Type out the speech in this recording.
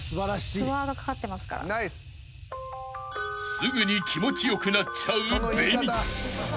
［すぐに気持ちよくなっちゃうＢＥＮＩ］